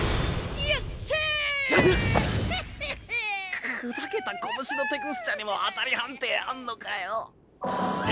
く砕けた拳のテクスチャにも当たり判定あんのかよ。